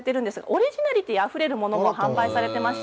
オリジナリティーあふれているものも販売されています。